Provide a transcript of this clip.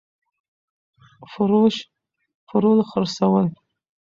فروش √ پلورل خرڅول